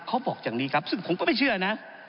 เขาบอกอย่างนี้ครับซึ่งผมก็ไม่เชื่อนะ